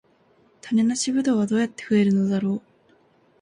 種なしブドウはどうやって増えるのだろう